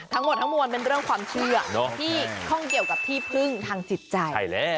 ทั้งหมดทั้งมวลเป็นเรื่องความเชื่อที่ข้องเกี่ยวกับที่พึ่งทางจิตใจแล้ว